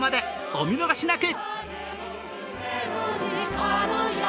お見逃しなく。